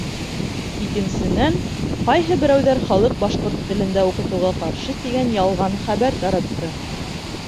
Икенсенән, ҡайһы берәүҙәр халыҡ башҡорт телендә уҡытыуға ҡаршы тигән ялған хәбәр таратты.